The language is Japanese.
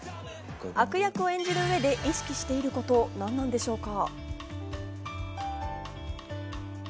悪役を演じる上で意識していることは何なんでしょうか。